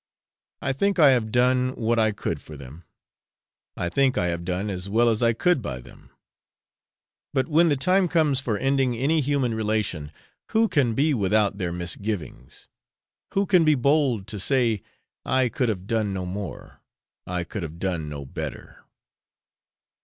I think I have done what I could for them I think I have done as well as I could by them; but when the time comes for ending any human relation, who can be without their misgivings? who can be bold to say, I could have done no more, I could have done no better?